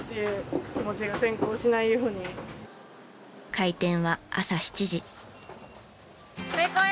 開店は朝７時。